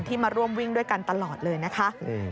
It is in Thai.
มาร่วมวิ่งด้วยกันตลอดเลยนะคะ